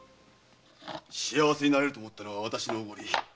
幸せになれると思ったのは私の驕り。